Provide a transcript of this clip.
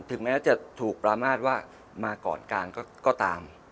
ถึงแม้จะถูกประมาทว่ามาก่อนกลางก็ตาม